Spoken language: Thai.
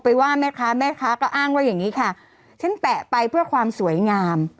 ว่าแม่ค้าแม่ค้าก็อ้างว่าอย่างงี้ค่ะฉันแตะไปเพื่อความสวยงาม